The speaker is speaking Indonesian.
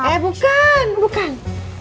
eh bukan bukan